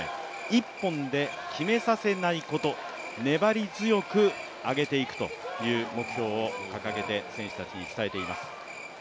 一本で決めさせないこと、粘り強く上げていくという目標を掲げて、選手たちに伝えています。